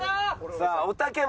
さあおたけもノ